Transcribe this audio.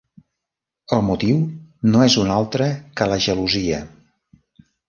El motiu no és un altre que la gelosia.